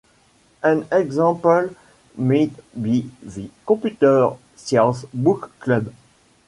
An example might be the Computer Science Book Club.